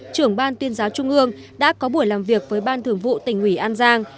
trưởng ban tuyên giáo trung ương đã có buổi làm việc với ban thường vụ tỉnh ủy an giang